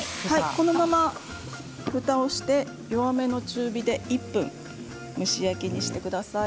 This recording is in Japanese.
このまま弱めの中火で１分蒸し焼きをしてください。